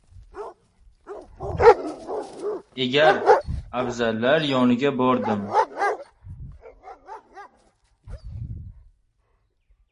Yegar-abzallar oldiga bordim.